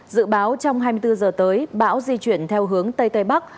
dự báo trong hai mươi bốn giờ tới bão di chuyển theo hướng tây tây bắc